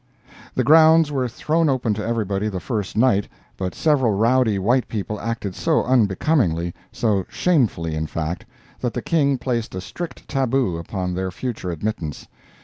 The grounds were thrown open to everybody the first night, but several rowdy white people acted so unbecomingly—so shamefully, in fact—that the King placed a strict tabu upon their future admittance.